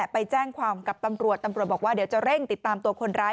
ไปแจ้งความกับตำรวจตำรวจบอกว่าเดี๋ยวจะเร่งติดตามตัวคนร้าย